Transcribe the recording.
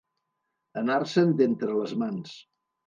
Anar-se'n d'entre les mans.